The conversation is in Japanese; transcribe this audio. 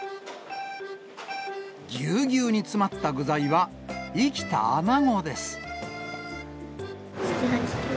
ぎゅうぎゅうに詰まった具材は、生きたアナゴです。